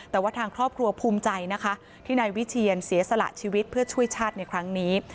แต่ว่าทางครอบครัวภูมิใจนะคะที่นายวิเชียนเสียสละชีวิตเพื่อช่วยชาติในครั้งนี้